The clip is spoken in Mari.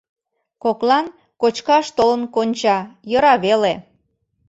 Коклан кочкаш толын конча — йӧра веле.